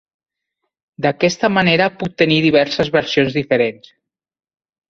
D'aquesta manera puc tenir diverses versions diferents.